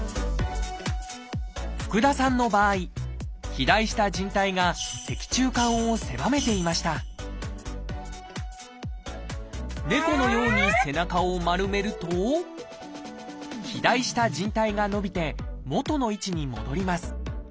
福田さんの場合肥大したじん帯が脊柱管を狭めていました猫のように背中を丸めると肥大したじん帯が伸びて元の位置に戻ります。